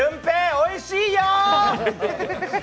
おいしいよ。